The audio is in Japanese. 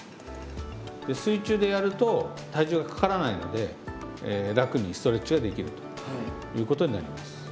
水中でやると体重がかからないので楽にストレッチができるということになります。